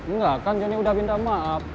nggak kan jonny udah binda maaf